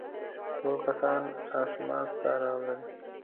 ټول کسان اسماس ته راغلل.